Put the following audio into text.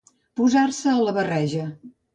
Posar-se a la barreja.